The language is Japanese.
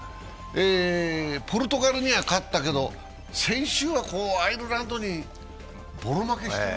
ポルトガルには勝ったけど、先週はアイルランドにボロ負けしてる。